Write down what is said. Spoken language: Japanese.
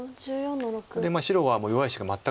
白は弱い石が全く。